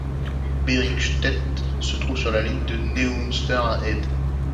Beringstedt se trouve sur la ligne de Neumünster à Heide.